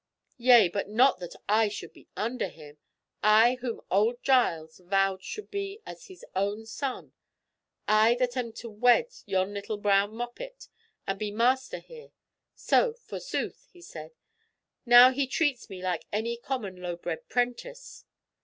"Yea, but not that I should be under him—I whom old Giles vowed should be as his own son—I that am to wed yon little brown moppet, and be master here! So, forsooth," he said, "now he treats me like any common low bred prentice."